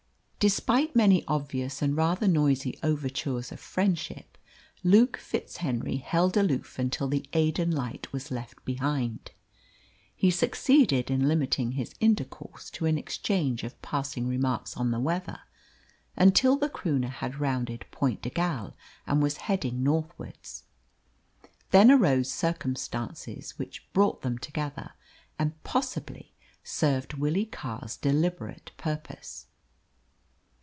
Despite many obvious and rather noisy overtures of friendship, Luke FitzHenry held aloof until the Aden light was left behind. He succeeded in limiting his intercourse to an exchange of passing remarks on the weather until the Croonah had rounded Pointe de Galle and was heading northwards. Then arose circumstances which brought them together, and possibly served Willie Carr's deliberate purpose.